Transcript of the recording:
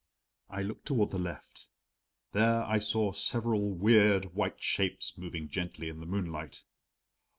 I looked toward the left there I saw several weird white shapes moving gently in the moonlight.